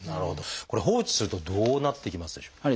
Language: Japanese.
これ放置するとどうなっていきますでしょう？